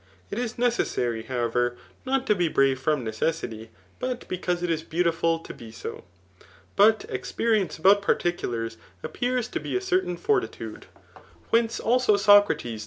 It is neces sary, however, not to be brave from necesdty, but because it is beautiful to be so. But experience about particulars appears to be a certain fortitude ; whence also Socrates ' In the 2nd book of the Iliad, v.